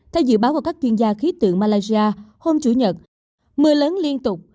theo dự báo của các chuyên gia khí tượng malaysia hôm chủ nhật mưa lớn liên tục